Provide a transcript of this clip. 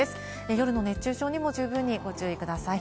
夜の熱中症にも十分にご注意ください。